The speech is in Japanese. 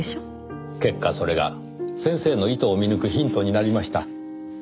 結果それが先生の意図を見抜くヒントになりました。